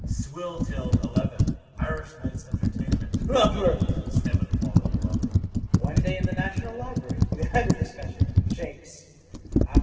Swill till eleven. Irish nights entertainment. Lubber... Stephen followed a lubber... One day in the national library we had a discussion. Shakes. After.